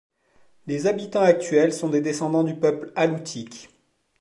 Les habitants actuels sont des descendants du peuple Alutiiq.